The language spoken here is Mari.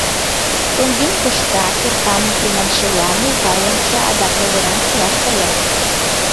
Конден пышта, кертам-уке маншыла, нӧлтал онча, адак лавырам келаш кая.